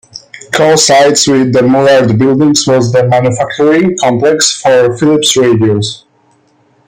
Co-sited with the Mullard buildings was the manufacturing complex for Philips Radios.